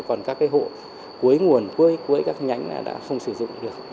còn các hộ cuối nguồn cuối các nhánh đã không sử dụng được